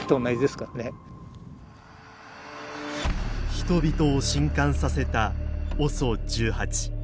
人々を震撼させたＯＳＯ１８。